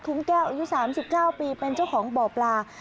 แก้วอายุ๓๙ปีเป็นเจ้าของบ่อปลา